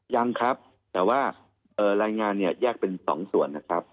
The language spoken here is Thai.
ยังครับแต่ว่ารายงานเนี่ยแยกเป็น๒ส่วนนะครับ